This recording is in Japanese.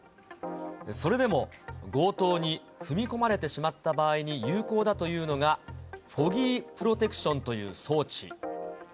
それでも強盗に踏み込まれてしまった場合に有効だというのが、フォギープロテクションという装置。